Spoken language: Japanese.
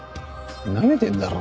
なめてんだろ？